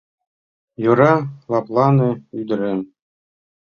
Йӧра, лыплане, ӱдырем.